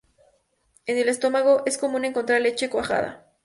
En el estómago, es común encontrar leche cuajada.